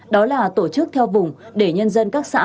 đó là tổ chức theo vùng để nhân dân các xã